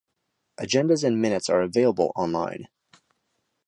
Agendas and Minutes are available online.